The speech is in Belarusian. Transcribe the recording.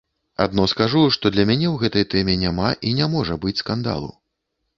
Адно скажу, што для мяне ў гэтай тэме няма і не можа быць скандалу.